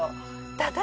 ただ。